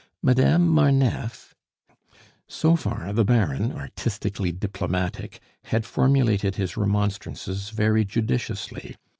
Madame Marneffe " So far the Baron, artistically diplomatic, had formulated his remonstrances very judiciously.